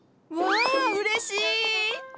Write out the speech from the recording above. わうれしい！